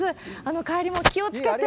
帰りも気をつけて。